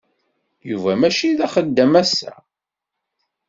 Yuba mačči d axeddam ass-a.